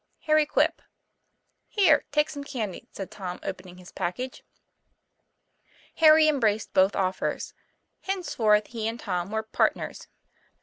"Harry Quip." 'Here, take some candy," said Tom, opening his package. Harry embraced both offers. Henceforth he and Tom were "partners."